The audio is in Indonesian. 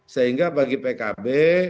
sehingga bagi pkb